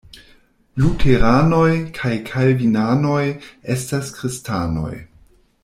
Luteranoj kaj Kalvinanoj estas kristanoj.